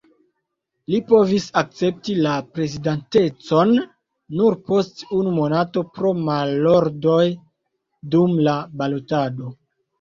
Li povis akcepti la prezidantecon nur post unu monato pro malordoj dum la balotado.